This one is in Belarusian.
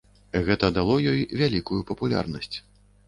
Гэта дало ёй вялікую папулярнасць.